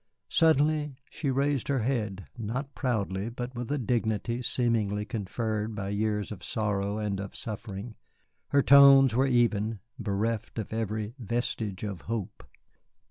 Suddenly she raised her head, not proudly, but with a dignity seemingly conferred by years of sorrow and of suffering. Her tones were even, bereft of every vestige of hope.